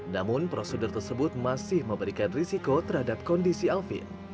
namun prosedur tersebut masih memberikan risiko terhadap kondisi alvin